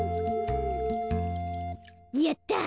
やった！